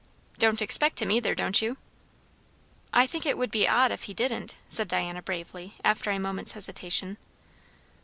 "Don't expect him either, don't you?" "I think it would be odd if he didn't," said Diana bravely, after a moment's hesitation.